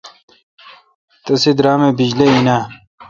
تسے°دراماے° بجلی این آں،؟